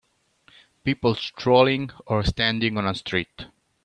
People strolling or standing on a street.